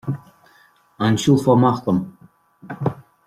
An siúlfá amach liom?